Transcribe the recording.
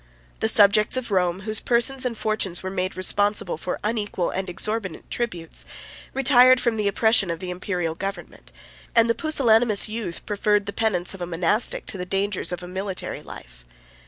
31 The subjects of Rome, whose persons and fortunes were made responsible for unequal and exorbitant tributes, retired from the oppression of the Imperial government; and the pusillanimous youth preferred the penance of a monastic, to the dangers of a military, life.